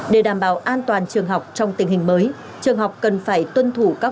để đảm bảo an toàn trường học trong tình hình mới trường học cần phải tuân thủ các